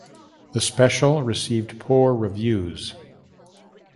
The special received poor reviews.